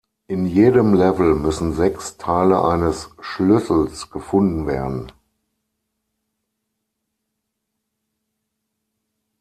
In jedem Level müssen sechs Teile eines Schlüssels gefunden werden.